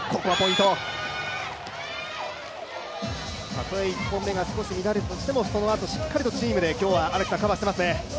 たとえ１本目が少し乱れたとしても、そのあと、チームで今日はカバーしてますね。